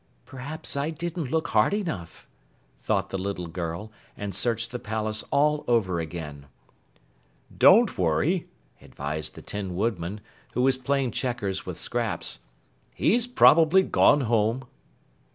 "Perhaps I didn't look hard enough," thought the little girl, and searched the palace all over again. "Don't worry," advised the Tin Woodman, who was playing checkers with Scraps. "He's probably gone home."